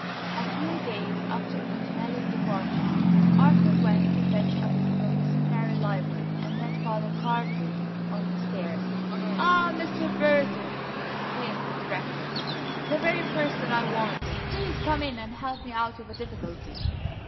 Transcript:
A few days after Montanelli's departure Arthur went to fetch a book from the seminary library, and met Father Cardi on the stairs. "Ah, Mr. Burton!" exclaimed the Director; "the very person I wanted. Please come in and help me out of a difficulty."